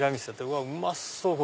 うまそう！